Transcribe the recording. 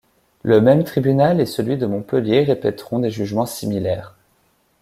Le même tribunal et celui de Montpellier répéteront des jugements similaires.